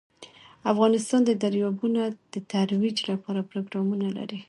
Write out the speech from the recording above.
افغانستان د دریابونه د ترویج لپاره پروګرامونه لري.